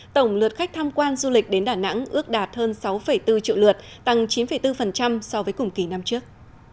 tổng lượt khách tham quan du lịch đến đà nẵng ước đạt hơn sáu bốn triệu lượt tăng chín bốn so với cùng kỳ năm trước